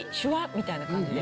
みたいな感じ。